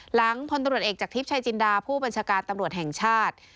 หลังพลตำรวจเอกจากทิพย์ชายจินดาผู้บัญชาการตำรวจแห่งชาติ